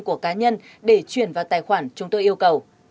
của cá nhân để chuyển vào tài khoản chúng tôi yêu cầu